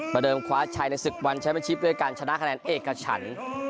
เดิมคว้าชัยในศึกวันแชมเป็นชิปด้วยการชนะคะแนนเอกฉัน